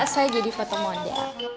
saya jadi foto model